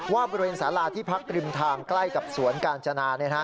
บริเวณสาราที่พักริมทางใกล้กับสวนกาญจนา